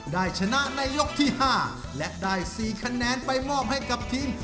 ได้ชนะในยกที่๕และได้๔คะแนนไปมอบให้กับทีม